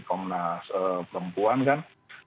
komnas perempuan kan